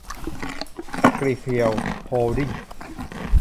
อกริเพียว โฮลดิ้งส์